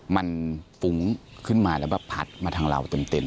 มันฟุ้งขึ้นมาแล้วแบบผัดมาทางเราเต็ม